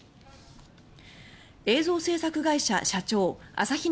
映像制作会社社長朝比奈